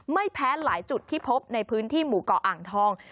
ไม่แพ้หลายจุดที่พบในพื้นที่หมู่เกาะอ่างทอง